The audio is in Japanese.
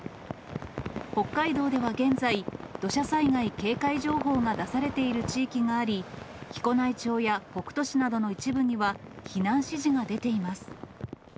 北海道では現在、土砂災害警戒情報が出されている地域があり、木古内町や北斗市などの一部には避難指示が出ています。